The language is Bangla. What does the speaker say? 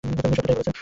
উনি সত্যিটাই বলেছেন।